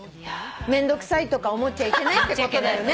めんどくさいとか思っちゃいけないってことだよね。